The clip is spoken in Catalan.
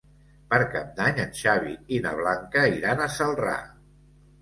Per Cap d'Any en Xavi i na Blanca iran a Celrà.